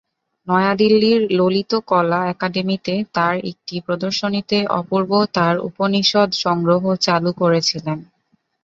নয়াদিল্লির ললিত কলা একাডেমিতে তাঁর একটি প্রদর্শনীতে অপূর্ব তার উপনিষদ সংগ্রহ চালু করেছিলেন।